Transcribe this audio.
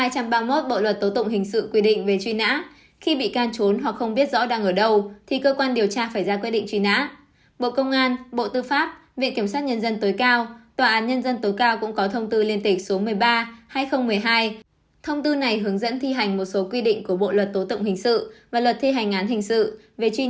các bạn hãy đăng ký kênh để ủng hộ kênh của chúng mình nhé